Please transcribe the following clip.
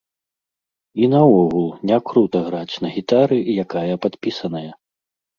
І наогул, не крута граць на гітары, якая падпісаная.